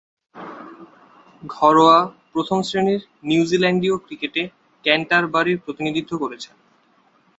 ঘরোয়া প্রথম-শ্রেণীর নিউজিল্যান্ডীয় ক্রিকেটে ক্যান্টারবারির প্রতিনিধিত্ব করেছেন।